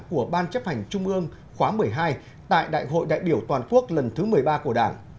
của ban chấp hành trung ương khóa một mươi hai tại đại hội đại biểu toàn quốc lần thứ một mươi ba của đảng